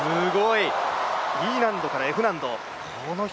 Ｅ難度からＦ難度。